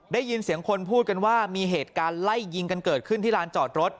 ได้ยินเสียงคนพูดกันว่ามีเหตุการณ์ไล่ยิงกันเกิดขึ้นที่ร้านจอดรถ